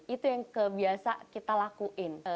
itu yang biasa kita lakuin